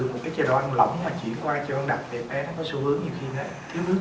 một cái chế độ ăn lỏng mà chuyển qua chế độ ăn đặc thì em bé nó có xu hướng nhiều khi nó thiếu nước